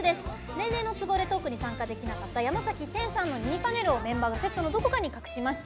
年齢の都合でトークに参加できなかった山崎天さんのミニパネルをメンバーがセットのどこかに隠しました。